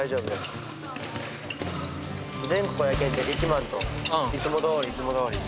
うん。いつもどおりいつもどおり。